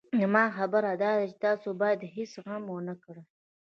زما خبره داده چې تاسو بايد هېڅ غم ونه کړئ.